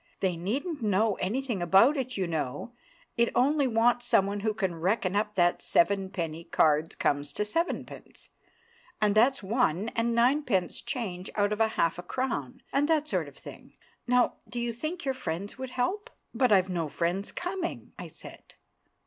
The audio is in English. They needn't know anything about it, you know; it only wants someone who can reckon up that seven penny cards comes to sevenpence, and that's one and ninepence change out of half a crown, and that sort of thing. Now, do you think your friends would help?" "But I've no friends coming," I said.